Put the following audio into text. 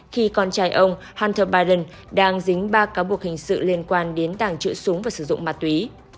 khi con trai ông hanter biden đang dính ba cáo buộc hình sự liên quan đến tàng trữ súng và sử dụng ma túy